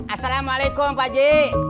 assalamualaikum pak ji